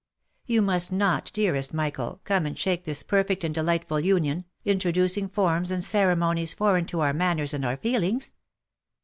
You must not, dearest Michael, come and shake this per fect and delightful union, introducing forms and ceremonies foreign to our manners, and our feelings.